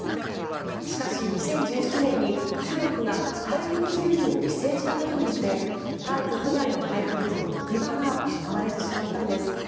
しかし、２０１７年に中国が廃棄物輸入を規制したことによってタイ国内の廃棄物の行き場が失われてしまったんです。